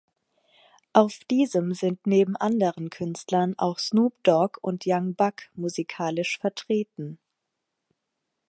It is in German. Auf diesem sind neben anderen Künstlern auch Snoop Dogg und Young Buck musikalisch vertreten.